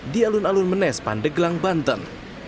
di alun alun menes pandeglang banten